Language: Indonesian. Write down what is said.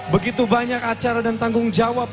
begitu banyak acara dan tanggung jawab